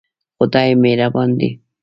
خدای مهربان دی